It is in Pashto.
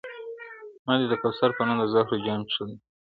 ما دي د کوثر په نوم د زهرو جام چښلی دی .